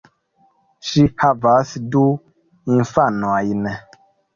Ŝi havas du infanojn.